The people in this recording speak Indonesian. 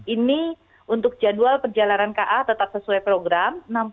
ini untuk jadwal perjalanan ka tetap sesuai program